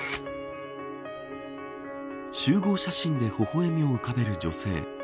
集合写真でほほ笑みを浮かべる女性。